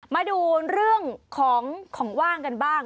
มาดูเรื่องของของว่างกันบ้าง